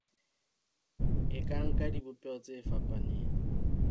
E ka nka dibopeho tse fapaneng.